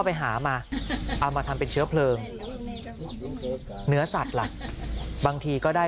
ไปหามาเอามาทำเป็นเชื้อเพลิงเนื้อสัตว์ล่ะบางทีก็ได้